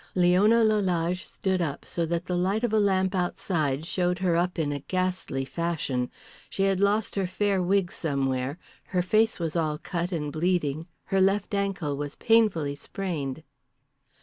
Leona Lalage stood up so that the light of a lamp outside showed her up in a ghastly fashion. She had lost her fair wig somewhere, her face was all cut and bleeding, her left ankle was painfully sprained.